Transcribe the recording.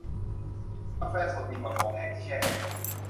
กาแฟสดดีกว่าของแห้งที่แช่แข็ง